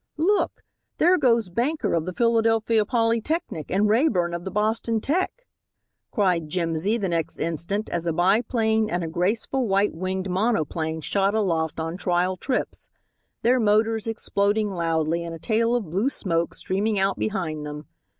"Look, there goes Banker of the Philadelphia Polytechnic, and Rayburn of the Boston Tech," cried Jimsy the next instant as a biplane and a graceful white winged monoplane shot aloft on trial trips, their motors exploding loudly and a tail of blue smoke streaming out behind them.